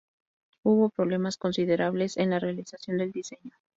Hubo problemas considerables con la realización del diseño.